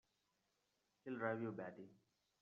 He'll drive you batty!